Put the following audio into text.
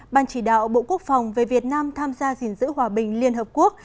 ban chỉ đạo bộ quốc phòng về việt nam tham gia dình dữ hòa bình liên hợp quốc